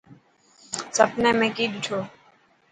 سڀني ۾ ڪئي ڏٺو.